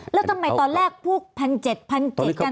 แล้วทำไมตอนแรกพวก๑๗๗๐๐กัน